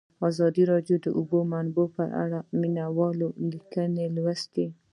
ازادي راډیو د د اوبو منابع په اړه د مینه والو لیکونه لوستي.